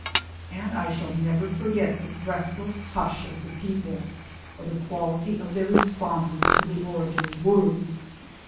And I shall never forget the breathless hush of the people or the quality of their responses to the orator's words.